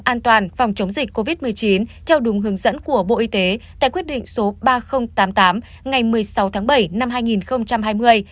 an toàn phòng chống dịch covid một mươi chín theo đúng hướng dẫn của bộ y tế tại quyết định số ba nghìn tám mươi tám ngày một mươi sáu tháng bảy năm hai nghìn hai mươi